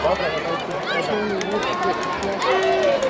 Chu nibëdquiec ictisash